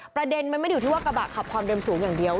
ประเด็นมันไม่ได้อยู่ที่ว่ากระบะขับความเร็วสูงอย่างเดียว